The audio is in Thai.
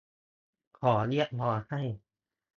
ขอเรียกร้องให้